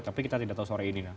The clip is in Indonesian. tapi kita tidak tahu sore ini